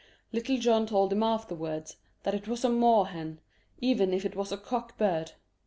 Little John told him afterwards that it was a moor hen, even if it was a cock bird.